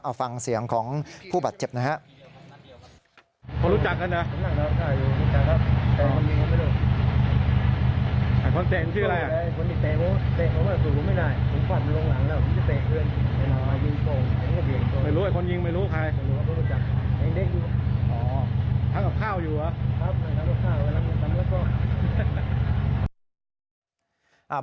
เอาฟังเสียงของผู้บาดเจ็บนะครับ